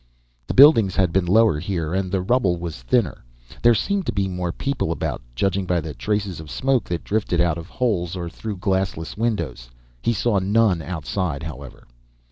The buildings had been lower here, and the rubble was thinner. There seemed to be more people about, judging by the traces of smoke that drifted out of holes or through glassless windows. He saw none outside, however.